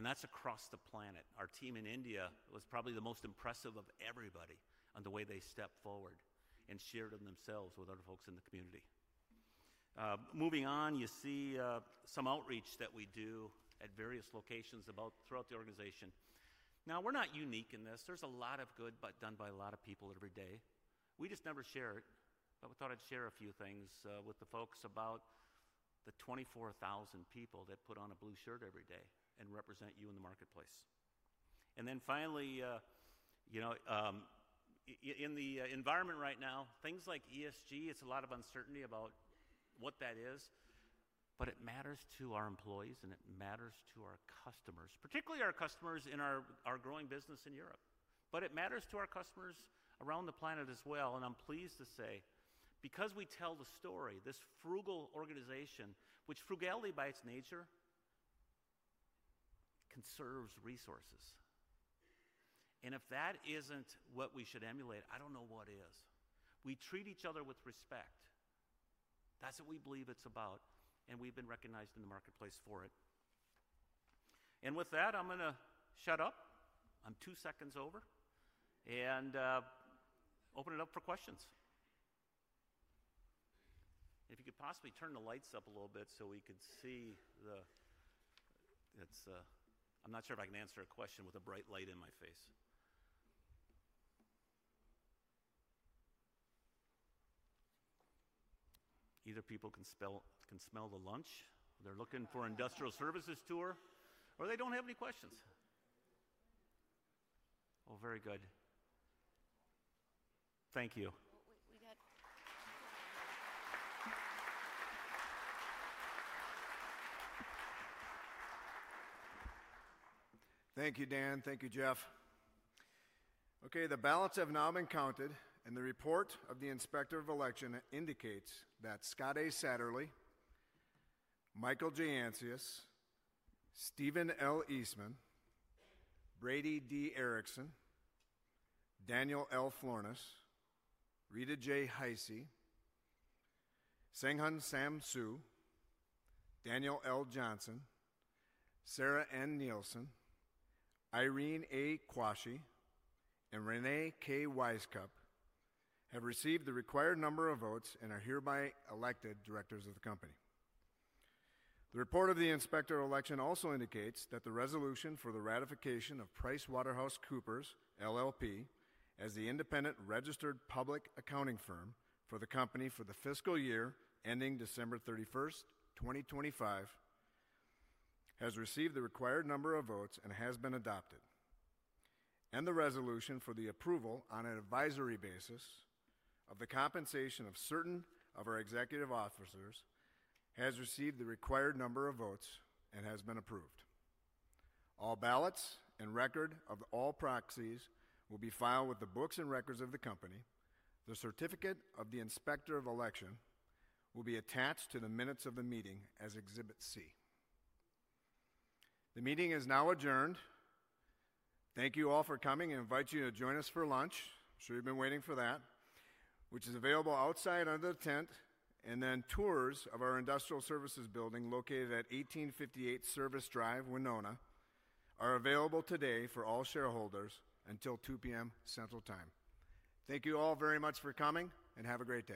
That is across the planet. Our team in India was probably the most impressive of everybody on the way they stepped forward and shared themselves with other folks in the community. Moving on, you see some outreach that we do at various locations throughout the organization. Now, we're not unique in this. There's a lot of good done by a lot of people every day. We just never share it. We thought I'd share a few things with the folks about the 24,000 people that put on a blue shirt every day and represent you in the marketplace. Finally, you know, in the environment right now, things like ESG, it's a lot of uncertainty about what that is. It matters to our employees and it matters to our customers, particularly our customers in our growing business in Europe. It matters to our customers around the planet as well. I'm pleased to say, because we tell the story, this frugal organization, which frugality by its nature conserves resources. If that isn't what we should emulate, I don't know what is. We treat each other with respect. That's what we believe it's about. We've been recognized in the marketplace for it. With that, I'm going to shut up. I'm two seconds over. I open it up for questions. If you could possibly turn the lights up a little bit so we could see the, I'm not sure if I can answer a question with a bright light in my face. Either people can smell the lunch, they're looking for Industrial Services tour, or they don't have any questions. Oh, very good. Thank you. Thank you, Dan. Thank you, Jeff. Okay, the balance of nominees counted and the report of the inspector of election indicates that Scott A. Satterlee, Michael J. Ancius, Stephen L. Eastman, Brady D. Ericson, Daniel L. Florness, Rita J. Heise, Hsenghung Sam Hsu, Daniel L. Johnson, Sarah N. Nielsen, Irene A. Quarshie, and Reyne K. Wisecup have received the required number of votes and are hereby elected directors of the company. The report of the inspector of election also indicates that the resolution for the ratification of PricewaterhouseCoopers LLP as the independent registered public accounting firm for the company for the fiscal year ending December 31st, 2025, has received the required number of votes and has been adopted. The resolution for the approval on an advisory basis of the compensation of certain of our executive officers has received the required number of votes and has been approved. All ballots and record of all proxies will be filed with the books and records of the company. The certificate of the inspector of election will be attached to the minutes of the meeting as Exhibit C. The meeting is now adjourned. Thank you all for coming. I invite you to join us for lunch. I'm sure you've been waiting for that, which is available outside under the tent. Tours of our Industrial Services building located at 1858 Service Drive, Winona, are available today for all shareholders until 2:00 P.M. Central Time. Thank you all very much for coming and have a great day.